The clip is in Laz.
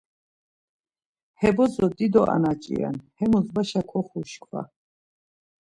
He bozo dido anaç̌i ren, hemus vaşa koxuşkva.